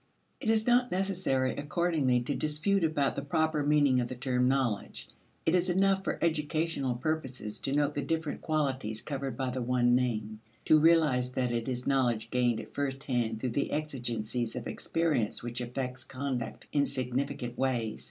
It is not necessary, accordingly, to dispute about the proper meaning of the term knowledge. It is enough for educational purposes to note the different qualities covered by the one name, to realize that it is knowledge gained at first hand through the exigencies of experience which affects conduct in significant ways.